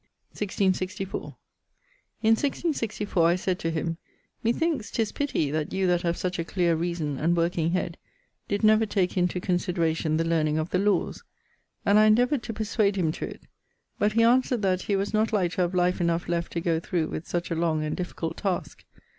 _> 1664. In 1664 I sayd to him 'Me thinkes 'tis pitty that you that have such a cleare reason and working head did never take into consideration the learning of the lawes'; and I endeavoured to perswade him to it. But he answered that he was not like to have life enough left to goe through with such a long and difficult taske.